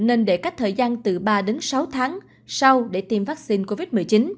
nên để cách thời gian từ ba đến sáu tháng sau để tiêm vaccine covid một mươi chín